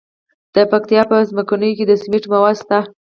د پکتیا په څمکنیو کې د سمنټو مواد شته.